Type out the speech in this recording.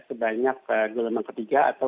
sebanyak ke gelemen ketiga atau